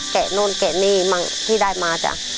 นู่นแกะนี่มั่งที่ได้มาจ้ะ